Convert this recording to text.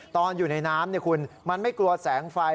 ตอนอยู่ในน้ำมันไม่กลัวแสงไฟ